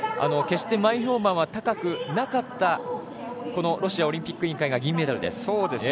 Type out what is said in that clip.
決して前評判は高くなかったロシアオリンピック委員会が銀メダルです。